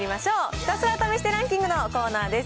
ひたすら試してランキングのコーナーです。